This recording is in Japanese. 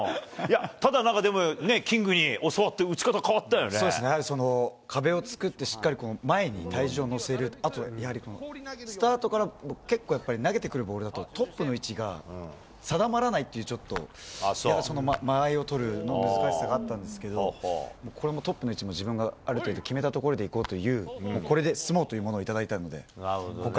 ただなんか、でも、キングにそうですね、壁を作って、しっかり前に体重を乗せる、あと、スタートから結構やっぱり、投げてくるボールだと、トップの位置が定まらないっていう、ちょっとそんな間合いを取る難しさがあったんですけど、これもトップの位置も自分がある程度決めたところでいこうという、これで進もうというものをいただいたので。